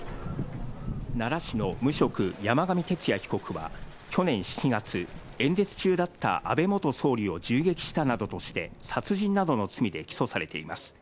奈良市の無職、山上徹也被告は去年７月、演説中だった安倍元総理を銃撃したなどとして、殺人などの罪で起訴されています。